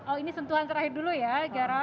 oh ini sentuhan terakhir dulu ya garam